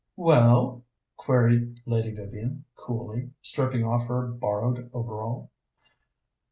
"Well?" queried Lady Vivian coolly, stripping off her borrowed overall.